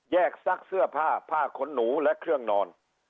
ซักเสื้อผ้าผ้าขนหนูและเครื่องนอน